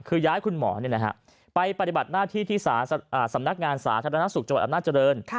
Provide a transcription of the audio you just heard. คือย้ายคุณหมอไปปฏิบัติหน้าที่ที่สำนักงานสาธารณสุขจังหวัดอำนาจริง